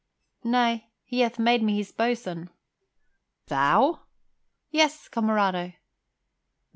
"Nay, he hath made me his boatswain." "Thou?" "Yea, comerado."